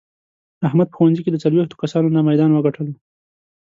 احمد په ښوونځې کې له څلوېښتو کسانو نه میدان و ګټلو.